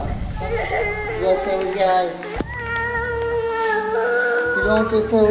พี่มันนั่ง